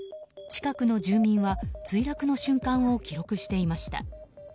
近くの住民は墜落の瞬間を記録していました。